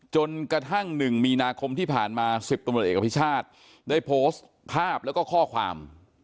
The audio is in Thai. จนกระทั่ง๑มีนาคมที่ผ่านมา๑๐ตำรวจเอกอภิชาติได้โพสต์ภาพแล้วก็ข้อความ